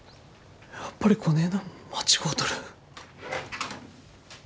やっぱりこねえなん間違うとる。